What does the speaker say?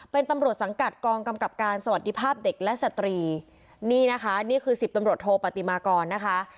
เป็นตำรวจสังกัดกองกำกับการสวัสดีภาพเด็กและสตรีนี่นะคะนี่คือสิบตำรวจโทปฏิมากรนะคะ